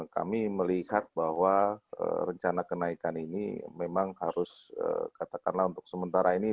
kami melihat bahwa rencana kenaikan ini memang harus katakanlah untuk sementara ini